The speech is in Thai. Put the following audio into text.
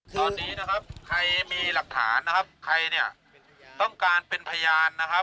ตอนนี้ใครมีหลักฐานใครต้องการเป็นพยาน